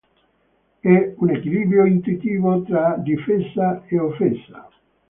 È un equilibrio intuitivo tra difesa e offesa.